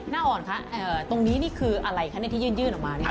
อ่อนคะตรงนี้นี่คืออะไรคะที่ยื่นออกมา